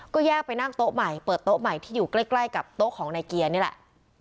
ก็แยกไปนั่งโต๊ะใหม่เปิดโต๊ะใหม่ที่อยู่ใกล้กับโต๊ะของนายเกียร์นี่แหละ